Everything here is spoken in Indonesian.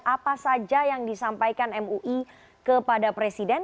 apa saja yang disampaikan mui kepada presiden